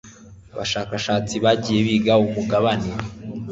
abashakashatsi bagiye biga umugabane